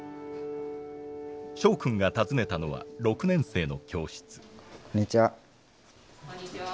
昭君が訪ねたのは６年生の教室。